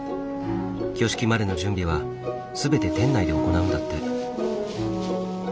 挙式までの準備は全て店内で行うんだって。